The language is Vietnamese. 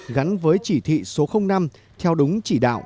gắn với chỉ thị số năm theo đúng chỉ đạo